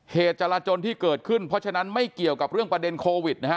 จราจนที่เกิดขึ้นเพราะฉะนั้นไม่เกี่ยวกับเรื่องประเด็นโควิดนะฮะ